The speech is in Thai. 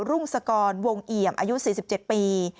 รุ่งสกรวงเอี่ยมอายุ๔๗ปี